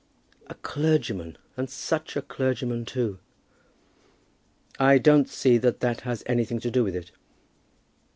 "A clergyman, and such a clergyman too!" "I don't see that that has anything to do with it."